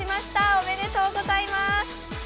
おめでとうございます。